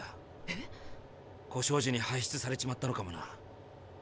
えっ⁉故障時にはい出されちまったのかもな。